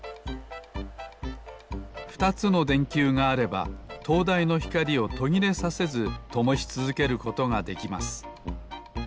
２つのでんきゅうがあればとうだいのひかりをとぎれさせずともしつづけることができます。